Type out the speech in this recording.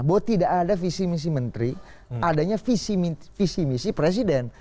bahwa tidak ada visi misi menteri adanya visi misi presiden